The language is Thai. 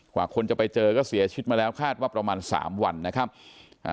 กว่าคนจะไปเจอก็เสียชีวิตมาแล้วคาดว่าประมาณสามวันนะครับอ่า